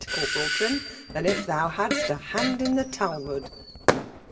Corporal Trim, than if thou hadit a hand in the Talmud.